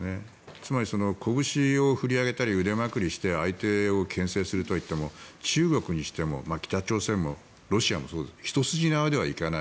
つまり、こぶしを振り上げたり腕まくりをしたりして相手をけん制するとはいっても中国にしても北朝鮮もロシアもそうですけど一筋縄ではいかない。